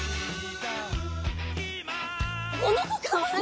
この子かわいい！